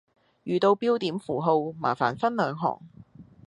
遇到標點符號麻煩分兩行